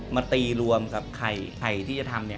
มาตีรวมกับไข่ที่จะทำเนี่ย